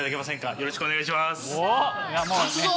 よろしくお願いします。